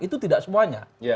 itu tidak semuanya